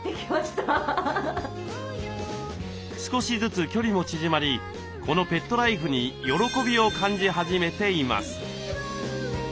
少しずつ距離も縮まりこのペットライフに喜びを感じ始めています。